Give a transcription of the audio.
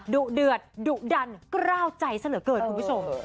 ดุเดือดดุดันกล้าวใจซะเหลือเกินคุณผู้ชม